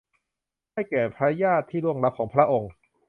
ให้แก่พระญาติที่ล่วงลับของพระองค์